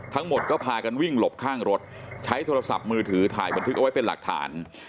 ทั้งหมดก็พากันวิ่งหลบข้างรถใช้โทรศัพท์มือถือถ่ายบันทึกเอาไว้เป็นหลักฐาน